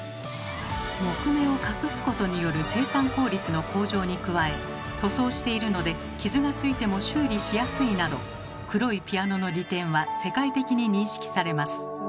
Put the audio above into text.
木目を隠すことによる生産効率の向上に加え塗装しているので傷がついても修理しやすいなど黒いピアノの利点は世界的に認識されます。